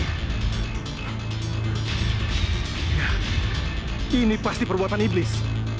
nah ini pasti perbuatan iblis